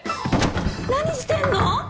何してんの？